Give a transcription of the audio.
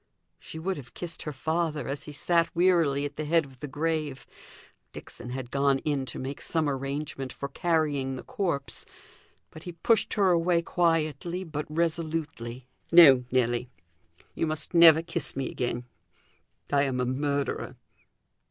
She would have kissed her father, as he sat wearily at the head of the grave Dixon had gone in to make some arrangement for carrying the corpse but he pushed her away quietly, but resolutely "No, Nelly, you must never kiss me again; I am a murderer."